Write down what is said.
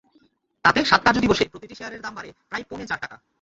তাতে সাত কার্যদিবসে প্রতিটি শেয়ারের দাম বাড়ে প্রায় পৌনে চার টাকা।